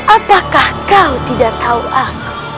apakah kau tidak tahu aku